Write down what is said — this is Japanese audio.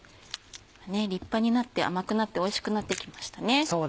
立派になって甘くなっておいしくなってきましたね。